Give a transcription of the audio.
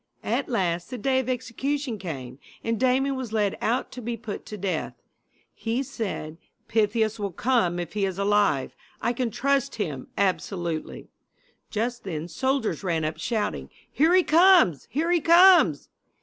At last the day of execution came, and Damon was led out to be put to death. He said: "Pythias will come if he is alive. I can trust him absolutely." Just then soldiers ran up shouting: "Here he comes! Here he comes!"